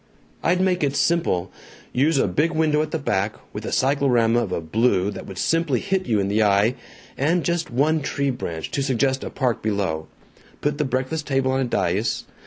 "I'd make it simple. Use a big window at the back, with a cyclorama of a blue that would simply hit you in the eye, and just one tree branch, to suggest a park below. Put the breakfast table on a dais.